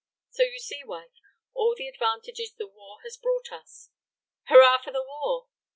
So you see, wife, all the advantages the war has brought us. Hurrah for the war!"